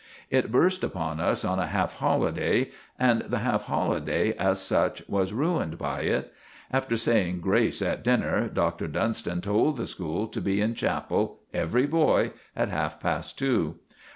It burst upon us on a half holiday, and the half holiday, as such, was ruined by it. After saying 'Grace' at dinner, Dr. Dunstan told the school to be in chapel—every boy—at half past two.